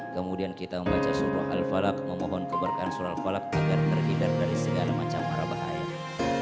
kemudian kita membaca surah al falak memohon keberkan surah al falak agar terhidar dari segala macam marabahannya